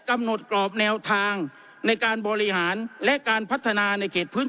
กำหนดกรอบแนวทางในการบริหารและการพัฒนาในเขตพื้น